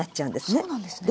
そうなんですね。